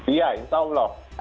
iya insya allah